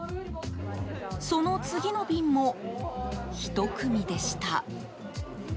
その次の便も１組でした。